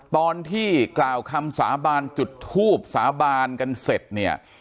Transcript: ตอนที่กล่าวคำสาบานจุดทูบสาบานกันเสร็จเนี่ย